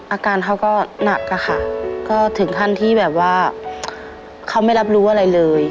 อาการเขาก็หนักอะค่ะก็ถึงขั้นที่แบบว่าเขาไม่รับรู้อะไรเลย